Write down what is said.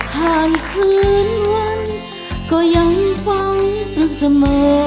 ห้างคืนวันก็ยังฟ้างตึกเสมอ